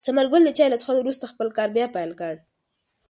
ثمر ګل د چای له څښلو وروسته خپل کار بیا پیل کړ.